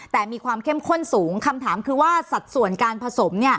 แต่มีความเข้มข้นสูงคำถามคือว่าสัดส่วนการผสม